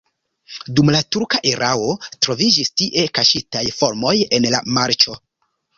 Dum la turka erao troviĝis tie kaŝitaj farmoj en la marĉo.